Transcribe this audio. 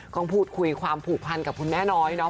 ต้องพูดคุยความผูกพันกับคุณแม่น้อยเนาะ